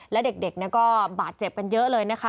และเด็กก็บาดเจ็บกันเยอะเลยนะคะ